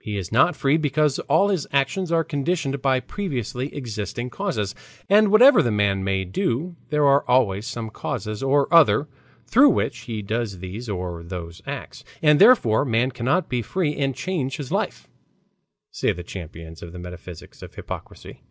He is not free, because all his actions are conditioned by previously existing causes. And whatever the man may do there are always some causes or other through which he does these or those acts, and therefore man cannot be free and change his life," say the champions of the metaphysics of hypocrisy.